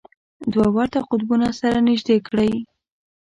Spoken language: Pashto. دوه ورته قطبونه سره نژدې کړئ.